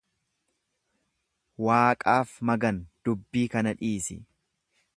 Waaqaaf magan dubbii kana dhiisi.